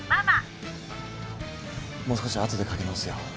もう少し後でかけ直すよ。